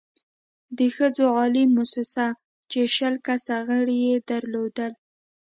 د ښځو عالي مؤسسه چې شل کسه غړې يې درلودل،